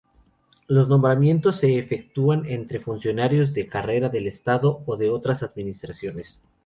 Los nombramientos se efectúan entre funcionarios de carrera del Estado, o de otras Administraciones.